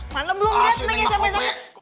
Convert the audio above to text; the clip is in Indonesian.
mana belum lihat neng ya